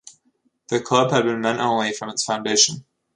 The club had been men-only from its foundation.